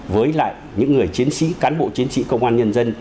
với lại những người chiến sĩ cán bộ chiến sĩ công an nhân dân